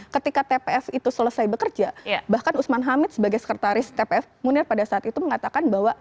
ketika tpf itu selesai bekerja bahkan usman hamid sebagai sekretaris tpf munir pada saat itu mengatakan bahwa